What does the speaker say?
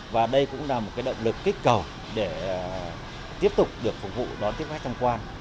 và đây cũng là một động lực kích cầu để tiếp tục được phục vụ đón tiếp khách tham quan